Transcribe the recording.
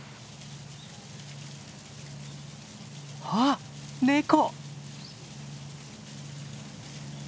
あっネコ！